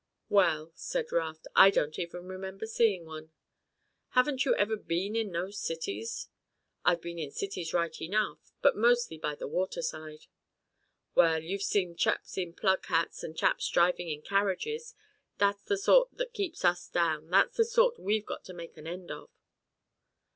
"Well," said Raft, "I don't even remember seeing one." "Haven't you ever been in no cities?" "I've been in cities right enough, but most by the water side." "Well, you've seen chaps in plug hats and chaps drivin' in carriages, that's the sort that keeps us down, that's the sort we've got to make an end of."